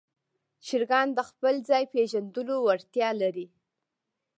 چرګان د خپل ځای پېژندلو وړتیا لري.